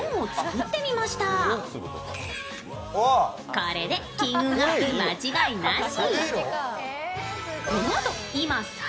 これで金運アップ間違いなし。